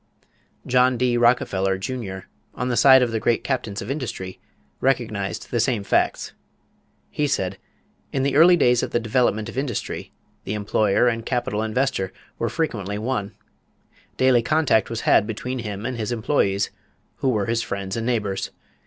John D. Rockefeller, Jr., on the side of the great captains of industry, recognized the same facts. He said: "In the early days of the development of industry, the employer and capital investor were frequently one. Daily contact was had between him and his employees, who were his friends and neighbors....